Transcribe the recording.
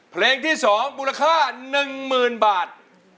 เพลงที่๒มูลค่า๑๐๐๐บาท